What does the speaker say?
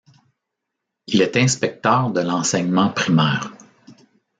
Il est inspecteur de l'enseignement primaire.